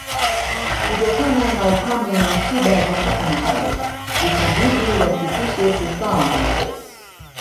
Kutokana na ukame na shida za hapa na pale ikabidi wasitishe kukaa huko